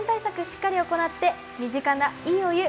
しっかり行って身近ないいお湯